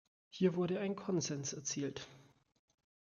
Hier wurde ein Konsens erzielt.